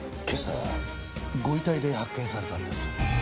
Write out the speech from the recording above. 今朝ご遺体で発見されたんです。